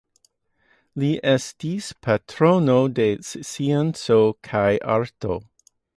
Li estis patrono de scienco kaj arto.